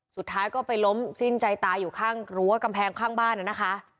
สุดท้ายก็ไปล้มสิ้นใจตายอยู่ข้างรั้วกำแพงข้างบ้านนะคะ